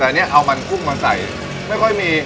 แต่อันนี้เอามันกุ้งมาใส่ไม่ค่อยมี